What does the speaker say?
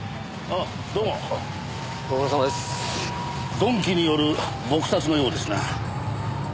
鈍器による撲殺のようですな。